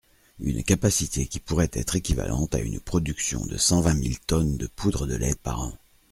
Une capacité qui pourrait être équivalente à une production de cent vingt mille tonnes de poudre de lait par an.